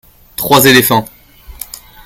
trois éléphants.